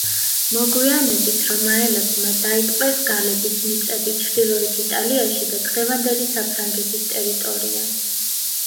მოგვიანებით რომაელებმა დაიპყრეს გალების მიწები ჩრდილოეთ იტალიაში და დღევანდელი საფრანგეთის ტერიტორია.